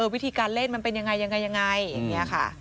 วิธีการเล่นมันเป็นยังไงยังไงอย่างนี้ค่ะ